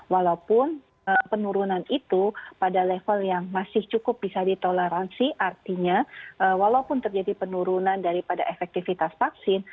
walaupun penurunan itu pada level yang masih cukup bisa ditoleransi artinya walaupun terjadi penurunan daripada efektivitas vaksin